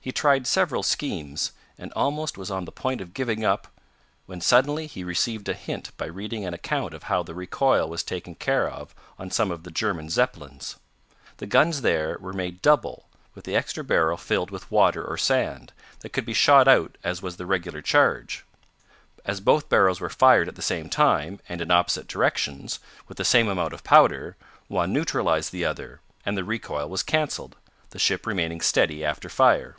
He tried several schemes, and almost was on the point of giving up when suddenly he received a hint by reading an account of how the recoil was taken care of on some of the German Zeppelins. The guns there were made double, with the extra barrel filled with water or sand, that could be shot out as was the regular charge. As both barrels were fired at the same time, and in opposite directions, with the same amount of powder, one neutralized the other, and the recoil was canceled, the ship remaining steady after fire.